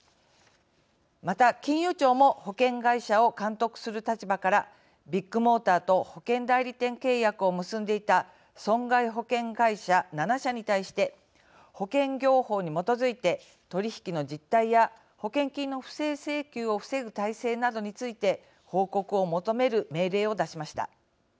また、金融庁も保険会社を監督する立場からビッグモーターと保険代理店契約を結んでいた損害保険会社７社に対して保険業法に基づいて取引の実態や保険金の不正請求を防ぐ体制などについて報告を求める命令を出しました。